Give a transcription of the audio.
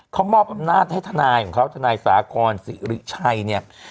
เขามอบอำนาจให้ทนายของเขาทนายสากรสิริชัยเนี่ย